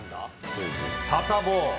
サタボー。